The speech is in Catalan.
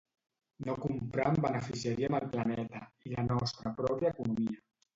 No comprant beneficiaríem el planeta, i la nostra pròpia economia.